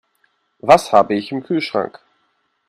Was habe ich im Kühlschrank?